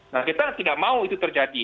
nah kita tidak mau itu terjadi